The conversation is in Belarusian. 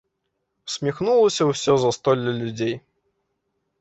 Усміхнулася ўсё застолле людзей.